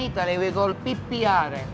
di italia kita sebut pipiare